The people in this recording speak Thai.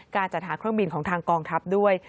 การจัดหาเครื่องบินของทางกองทัพด้วย